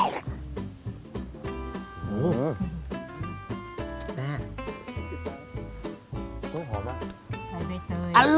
หอมให้เจอ